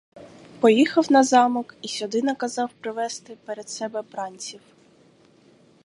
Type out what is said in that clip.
Поїхав на замок і сюди наказав привести перед себе бранців.